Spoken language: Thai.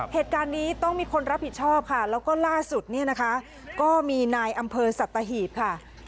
เหตุการณ์นี้ต้องมีคนรับผิดชอบค่ะแล้วก็ล่าสุดเนี่ยนะคะก็มีนายอำเภอสัตหีบค่ะ